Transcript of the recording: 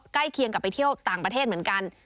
เคียงกับไปเที่ยวต่างประเทศเหมือนกัน